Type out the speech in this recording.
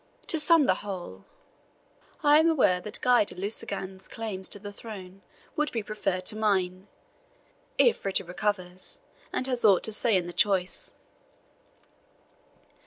To sum the whole, I am aware that Guy de Lusignan's claims to the throne would be preferred to mine, if Richard recovers, and has aught to say in the choice."